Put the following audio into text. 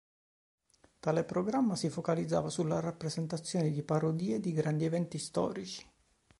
Tale programma si focalizzava sulla rappresentazione di parodie di grandi eventi storici.